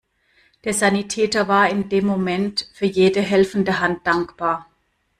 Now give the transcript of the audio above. Der Sanitäter war in dem Moment für jede helfende Hand dankbar.